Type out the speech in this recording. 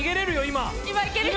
今いけるよ！